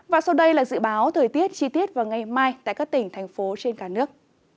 và sau đây là dự báo thời tiết chi tiết vào ngày mai tại các tỉnh thành phố trên cả nước